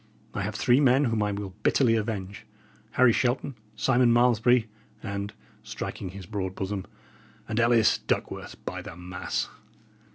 I have three men whom I will bitterly avenge Harry Shelton, Simon Malmesbury, and" striking his broad bosom "and Ellis Duckworth, by the mass!"